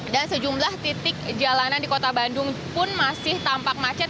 dan sejumlah titik jalanan di kota bandung pun masih tampak macet